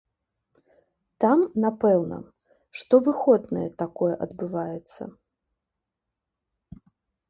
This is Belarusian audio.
Там, напэўна, штовыходныя такое адбываецца.